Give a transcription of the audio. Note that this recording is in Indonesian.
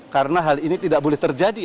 karena hal ini tidak boleh terjadi